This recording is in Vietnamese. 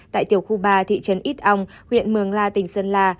tại tiểu khu ba thị trấn ít ong huyện mường la tỉnh sơn la